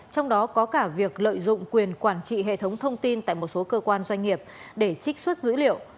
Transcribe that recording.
trong đó có cả việc lợi dụng quyền quản trị hệ thống thông tin tại một số cơ quan doanh nghiệp để trích xuất dữ liệu